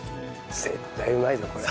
絶対うまいぞこれ。